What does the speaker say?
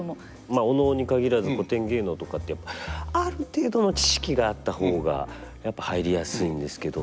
まあお能に限らず古典芸能とかってある程度の知識があった方がやっぱり入りやすいんですけど。